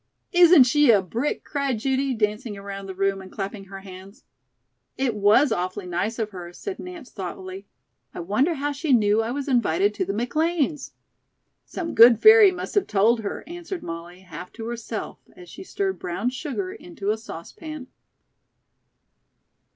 '" "Isn't she a brick?" cried Judy, dancing around the room and clapping her hands. "It was awfully nice of her," said Nance thoughtfully. "I wonder how she knew I was invited to the McLean's?" "Some good fairy must have told her," answered Molly, half to herself, as she stirred brown sugar into a saucepan.